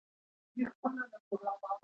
هلک له مینې ژوند جوړوي.